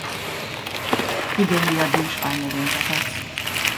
Igényli a dús aljnövényzetet.